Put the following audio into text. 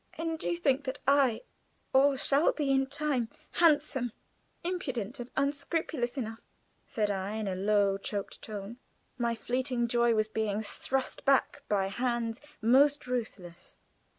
"And you think that I am, or shall be in time, handsome, impudent, and unscrupulous enough," said I, in a low choked tone. My fleeting joy was being thrust back by hands most ruthless.